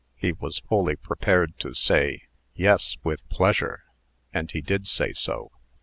He was fully prepared to say, "Yes, with pleasure," and he did say so.